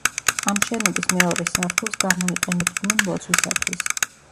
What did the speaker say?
ამ შენობის მეორე სართულს გამოიყენებდნენ ლოცვისათვის.